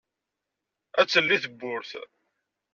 ad d-telli tewwurt.